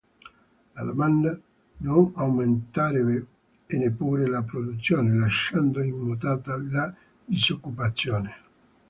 La domanda non aumenterebbe e neppure la produzione, lasciando immutata la disoccupazione.